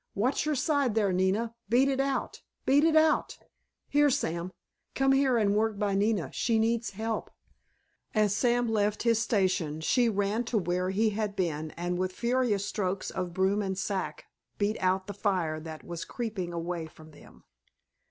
Watch your side there, Nina; beat it out—beat it out! Here, Sam, come here and work by Nina; she needs help!" As Sam left his station she ran to where he had been and with furious strokes of broom and sack beat out the fire that was creeping away from them.